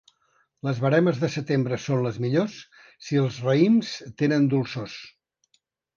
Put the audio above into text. Les veremes de setembre són les millors, si els raïms tenen dolçors.